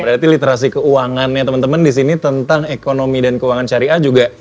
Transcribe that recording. berarti literasi keuangannya temen temen disini tentang ekonomi dan keuangan syariah juga